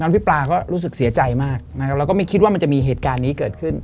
พี่ปลาก็รู้สึกเสียใจมากนะครับแล้วก็ไม่คิดว่ามันจะมีเหตุการณ์นี้เกิดขึ้น